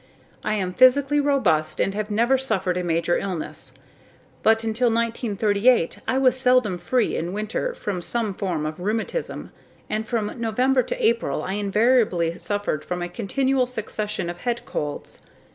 I am physically robust, and have never suffered a major illness, but until 1938 I was seldom free in winter from some form of rheumatism, and from November to April I invariably suffered from a continual succession of head colds.